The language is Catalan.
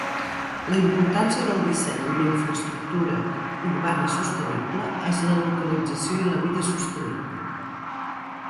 La importància del disseny d'una infraestructura urbana sostenible és la localització i la vida sostenible.